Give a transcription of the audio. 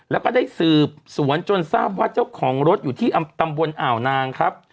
แล้วก็ได้สืบสวนจนทราบว่าเจ้าของรถอยู่ที่ตำบลอ่าวนางครับ